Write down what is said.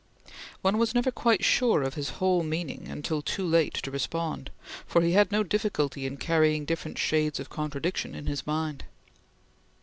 One was never quite sure of his whole meaning until too late to respond, for he had no difficulty in carrying different shades of contradiction in his mind.